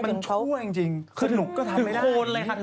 มันช่วยจริงสนุกก็ทำไม่ได้